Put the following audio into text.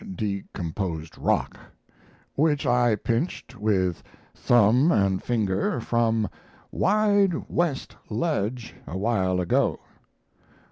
(decomposed rock) which I pinched with thumb and finger from Wide West ledge a while ago.